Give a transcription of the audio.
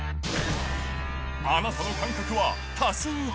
あなたの感覚は多数派？